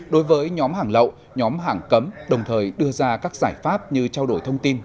đối với nhóm hàng lậu nhóm hàng cấm đồng thời đưa ra các giải pháp như trao đổi thông tin